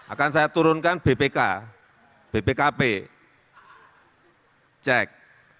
akan saya turunkan bpk bpkp cek